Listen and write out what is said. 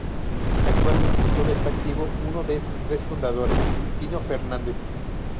Actualmente sólo está activo uno de esos tres fundadores: Tino Fernández.